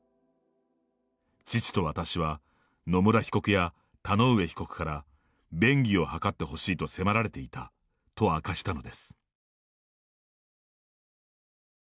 「父と私は、野村被告や田上被告から便宜を図ってほしいと迫られていた」と明かしたのです。